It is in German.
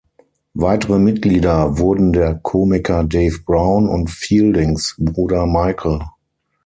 Weitere Mitglieder wurden der Komiker Dave Brown und Fieldings Bruder Michael.